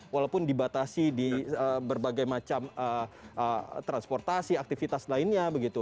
walaupun dibatasi di berbagai macam transportasi aktivitas lainnya begitu